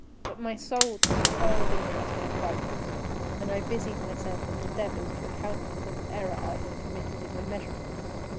But my soul took a wild interest in trifles, and I busied myself in endeavors to account for the error I had committed in my measurement.